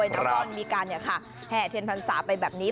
แล้วก็มีการแห่เทียนพรรษาไปแบบนี้